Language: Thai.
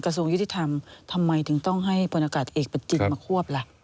กระทรวงยุทธิธรรมทำไมถึงต้องให้บุณกัฎเอกไปเก็บมาครอบละ